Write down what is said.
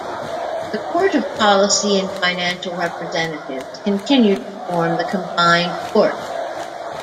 The Court of Policy and Financial Representatives continued to form the Combined Court.